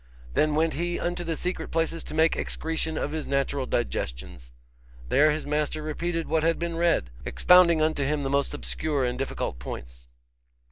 Then went he unto the secret places to make excretion of his natural digestions. There his master repeated what had been read, expounding unto him the most obscure and difficult points.